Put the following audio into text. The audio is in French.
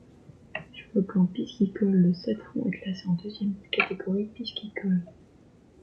Sur le plan piscicole, le Sept Fonds est classé en deuxième catégorie piscicole.